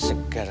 uang dan harta